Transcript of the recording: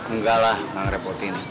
enggak lah gak ngerepotin